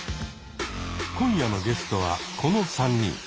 今夜のゲストはこの３人。